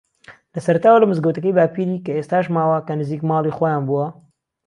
لە سەرەتاوە لە مزگەوتەکەی باپیری کە ئێستاش ماوە کە نزیک ماڵی خۆیان بووە